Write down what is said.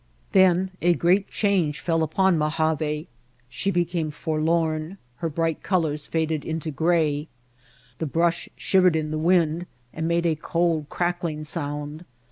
Then a great change fell upon Mojave. She became forlorn, her bright colors faded into gray. The brush shivered in the wind and made a cold, crackling sound.